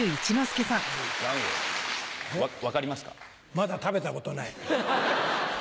まだ食べたことない。